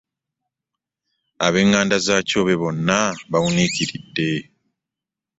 Ab'eŋŋanda za Kyobe bonna baawuniikiridde.